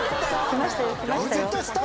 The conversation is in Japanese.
きましたよ。